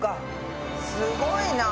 すごいな！